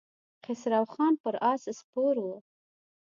خسرو خان پر آس سپور و.